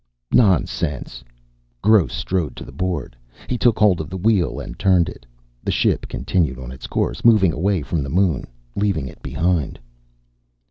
"Nonsense." Gross strode to the board. He took hold of the wheel and turned it. The ship continued on its course, moving away from the moon, leaving it behind.